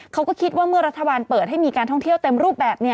เขาก็คิดว่าเมื่อรัฐบาลเปิดให้มีการท่องเที่ยวเต็มรูปแบบ